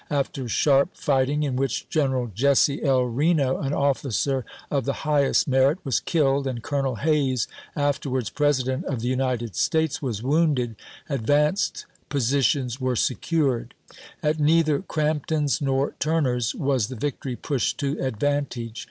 After sharp fighting, in which Gen eral Jesse L. Reno, an ofiicer of the highest merit, was killed, and Colonel Hayes, afterwards President of the United States, was wounded, advanced posi tions were secured. At neither Crampton's nor Turner's was the victory pushed to advantage.